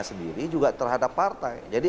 sendiri juga terhadap partai jadi